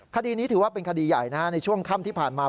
คดีนี้ถือว่าเป็นคดีใหญ่ในช่วงค่ำที่ผ่านมา